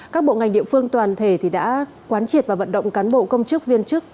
các bộ ngành địa phương toàn thể đã quán triệt và vận động cán bộ công chức viên chức